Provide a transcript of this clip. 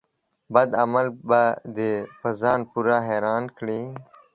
بد عمل به دي په ځان پوري حيران کړي